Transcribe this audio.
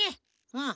うん。